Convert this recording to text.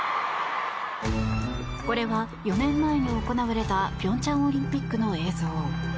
これは４年前に行われた平昌オリンピックの映像。